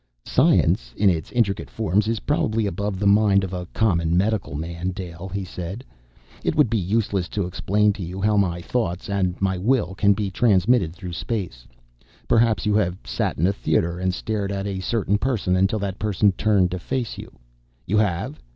"Science, in its intricate forms, is probably above the mind of a common medical man, Dale," he said. "It would be useless to explain to you how my thoughts and my will can be transmitted through space. Perhaps you have sat in a theater and stared at a certain person until that person turned to face you. You have?